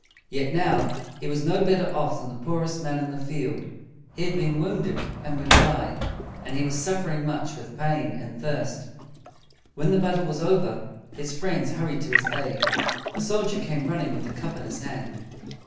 Yet now he was no better off than the poorest man in the field. He had been wounded, and would die; and he was suf fer ing much with pain and thirst. When the battle was over, his friends hurried to his aid. A soldier came running with a cup in his hand.